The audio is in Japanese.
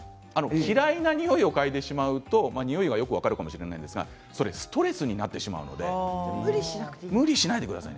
嫌いな匂いを嗅いでしまうと匂いがよく分かるかもしれませんがストレスになってしまうので無理はしないでください。